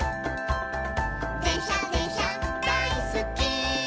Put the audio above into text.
「でんしゃでんしゃだいすっき」